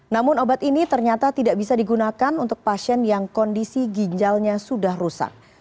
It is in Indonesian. namun obat ini ternyata tidak bisa digunakan untuk pasien yang kondisi ginjalnya sudah rusak